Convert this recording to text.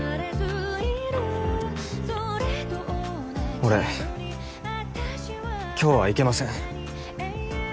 俺今日は行けません。